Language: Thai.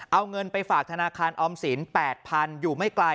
เอาเงินไปฝากธนาคารออมสิน๘๐๐๐อยู่ไม่ไกล